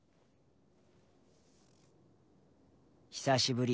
久しぶり。